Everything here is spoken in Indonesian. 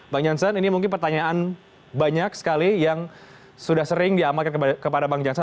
bang jansen ini mungkin pertanyaan banyak sekali yang sudah sering diamalkan kepada bang jansen